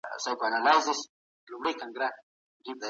دئ، د علامه بابا په ژوند کي د کابل په خيرخانه کي،